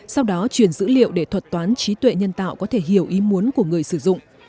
sau đó truyền dữ liệu để thuật toán trí tuệ nhân tạo có thể hiểu ý muốn của người sử dụng